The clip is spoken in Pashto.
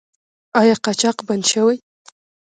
آیا قاچاق بند شوی؟